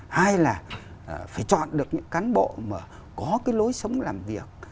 hai là phải chọn được những cán bộ mà có cái lối sống làm việc